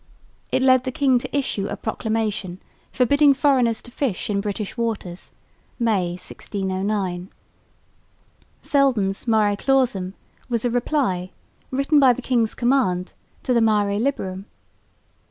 It led the king to issue a proclamation forbidding foreigners to fish in British waters (May, 1609). Selden's Mare clausum was a reply, written by the king's command, to the Mare liberum.